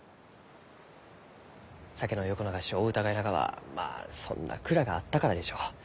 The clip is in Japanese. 酒の横流しをお疑いながはまあそんな蔵があったからでしょう。